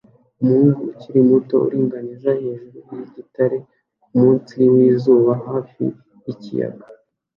Umuhungu ukiri muto aringaniza hejuru yigitare kumunsi wizuba hafi yikiyaga